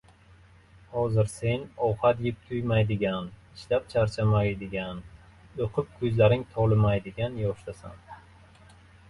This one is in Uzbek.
Hozir sen ovqat yeb toʻymaydigan, ishlab charchamaydigan, oʻqib koʻzlaring tolimaydigan yoshdasan.